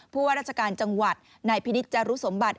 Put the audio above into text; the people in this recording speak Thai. ว่าราชการจังหวัดนายพินิษฐจารุสมบัติ